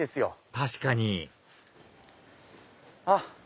確かにあっ。